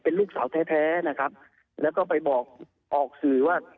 ลูกสาวแท้นะครับแล้วก็ไปบอกออกสื่อว่า